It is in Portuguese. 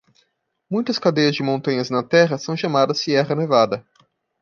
Muitas cadeias de montanhas na terra são chamadas Sierra Nevada.